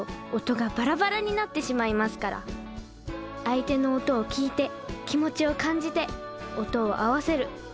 相手の音を聴いて気持ちを感じて音を合わせる。